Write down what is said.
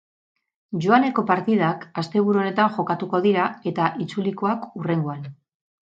Joaneko partidak asteburu honetan jokatuko dira eta itzulikoak hurrengoan.